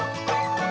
pernah jugak ya